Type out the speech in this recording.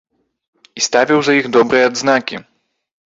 І ставіў за іх добрыя адзнакі.